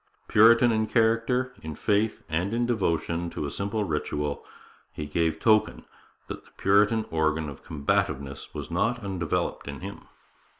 Puritan in character, in faith, and in devotion to a simple ritual, he gave token that the Puritan organ of combativeness was not undeveloped in him.